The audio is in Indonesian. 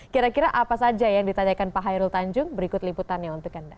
kira kira apa saja yang ditanyakan pak hairul tanjung berikut liputannya untuk anda